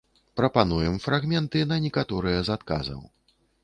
Прапануем фрагменты на некаторыя з адказаў.